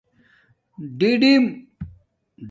ڈِڈِم